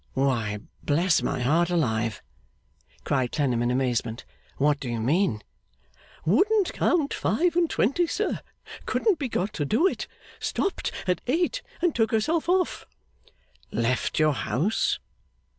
'Why, bless my heart alive!' cried Clennam in amazement. 'What do you mean?' 'Wouldn't count five and twenty, sir; couldn't be got to do it; stopped at eight, and took herself off.' 'Left your house?